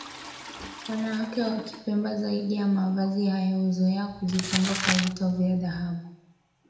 Wanawake wa Kipemba zaidi ya mavazi hayo huzoea kujipamba kwa vito vya dhahabu